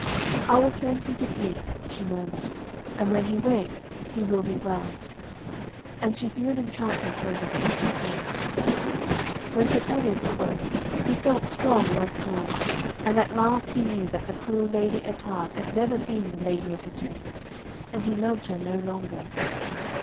'I will send him to sleep,' she murmured, 'and when he wakes he will be well.' And she threw an enchantment over him, and he slept. When Sir Pelleas awoke, he felt strong once more, and at last he knew that the cruel Lady Ettarde had never been the lady of his dreams, and he loved her no longer.